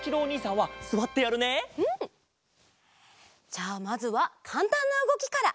じゃあまずはかんたんなうごきから。